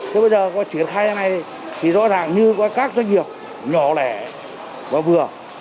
thế bây giờ có chuyển khai như thế này thì rõ ràng như các doanh nghiệp nhỏ lẻ và vừa